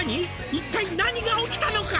「一体何が起きたのか？」